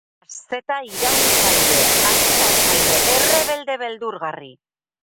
Aszeta iraultzaile, agitatzaile, errebelde beldurgarri!